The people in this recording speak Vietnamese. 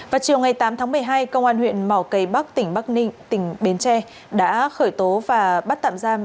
vào chiều ngày tám tháng một mươi hai công an huyện mỏ cây bắc tỉnh bắc ninh tỉnh bến tre đã khởi tố và bắt tạm giam